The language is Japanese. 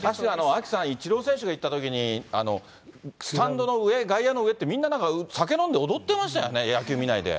アキさん、イチロー選手が行ったときにスタンドの上、外野の上って、みんななんか酒飲んで踊ってましたよね、野球見ないで。